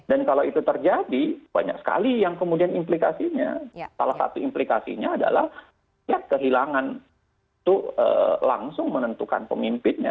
dan kalau itu terjadi banyak sekali yang kemudian implikasinya salah satu implikasinya adalah ya kehilangan itu langsung menentukan pemimpinnya